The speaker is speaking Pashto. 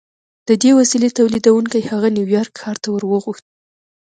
د دې وسیلې تولیدوونکي هغه نیویارک ښار ته ور وغوښت